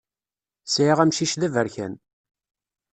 Sɛiɣ amcic d aberkan.